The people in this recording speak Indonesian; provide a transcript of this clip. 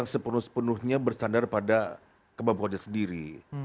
dia sepenuh sepenuhnya bersandar pada kemampuan dia sendiri